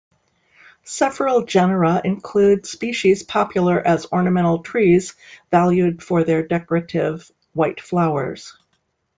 Several genera include species popular as ornamental trees valued for their decorative white flowers.